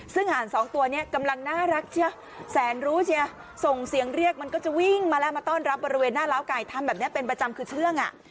ซึ่งห่านสองตัวนี้กำลังน่ารักเชียวแสนรู้เชียส่งเสียงเรียกมันก็จะวิ่งมาแล้วมาต้อนรับบริเวณหน้าล้าวไก่ทำแบบนี้เป็นประจำคือเชื่องอ่ะ